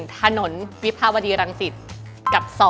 ๑ถนนวิภาวดีรังศิษฐ์